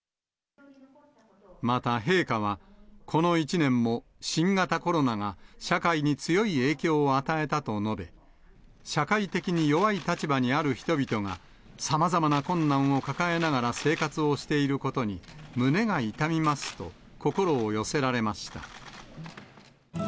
また陛下は、この１年も新型コロナが社会に強い影響を与えたと述べ、社会的に弱い立場にある人々が、さまざまな困難を抱えながら生活をしていることに、胸が痛みますと、心を寄せられました。